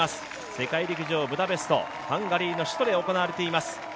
世界陸上ブダペスト、ハンガリーの首都で行われています。